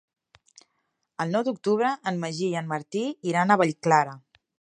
El nou d'octubre en Magí i en Martí iran a Vallclara.